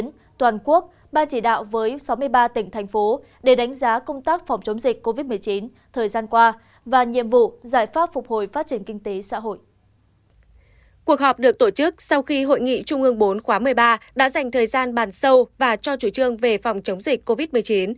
sau khi hội nghị trung ương bốn khóa một mươi ba đã dành thời gian bàn sâu và cho chủ trương về phòng chống dịch covid một mươi chín